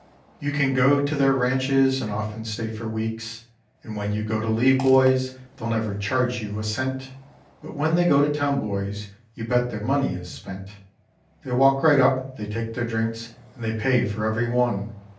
You can go to their ranches and often stay for weeks, And when you go to leave, boys, they'll never charge you a cent; But when they go to town, boys, you bet their money is spent. They walk right up, they take their drinks and they pay for every one.